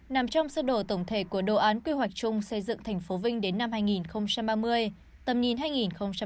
nằm trong sơ đồ tổng thể của đồ án quy hoạch chung xây dựng thành phố vinh đến năm hai nghìn ba mươi tầm nhìn hai nghìn năm mươi